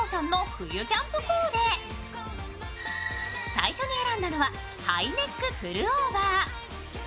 最初に選んだのはハイネックプルオーバー。